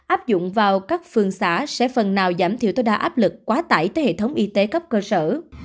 áp dụng vào các phương xã sẽ phần nào giảm thiểu tối đa áp lực quá tải tới hệ thống y tế cấp cơ sở